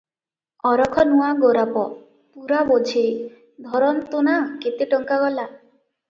ଅରଖ ନୂଆ ଗୋରାପ, ପୂରା ବୋଝେଇ, ଧରନ୍ତୁ ନା କେତେ ଟଙ୍କା ଗଲା?